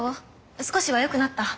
少しはよくなった？